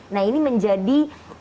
nah ini menjadi